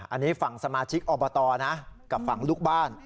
อันนี้ฝั่งสมาชิกอบตนะกับฝั่งลูกบ้าน